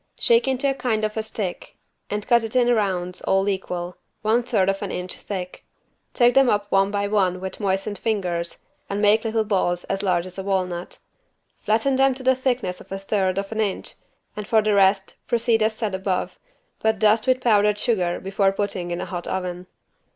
Shake into a kind of a stick and cut it in rounds all equal, one third of an inch thick. Take them up one by one with moistened fingers and make little balls as large as a walnut. Flatten them to the thickness of a third of an inch and for the rest proceed as said above, but dust with powdered sugar before putting in a hot oven.